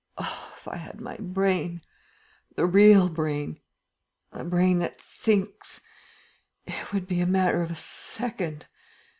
"Oh, if I had my brain, the real brain, the brain that thinks! It would be a matter of a second!